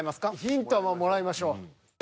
ヒントもらいましょう。